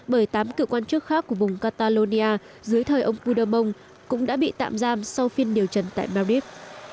bởi tám cựu quan chức khác của vùng catalonia dưới thời ông puderbong cũng đã bị tạm giam sau phiên điều trần tại babif